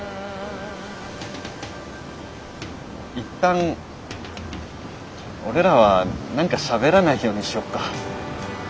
一旦俺らは何かしゃべらないようにしよっか。